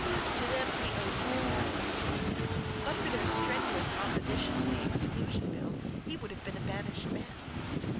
To them he owed his crown. But for their strenuous opposition to the Exclusion Bill he would have been a banished man.